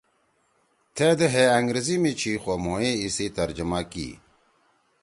تھید ہے انگریزی می چھی خو مھوئے ایِسی ترجمہ کی یی